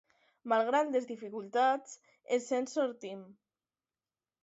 Malgrat les dificultats, ens en sortim.